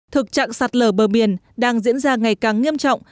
thực trạng sạt lở bờ biển đang diễn ra ngày càng nghiêm trọng